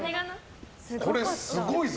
これ、すごいぞ。